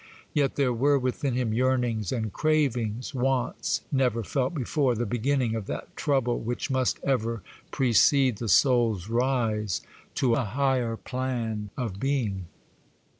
Yet there were within him yearnings and cravings, wants never felt before, the beginning of that trouble which must ever precede the soul's rise to a higher plan of being.